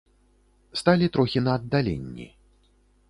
Сталі трохі на аддаленні.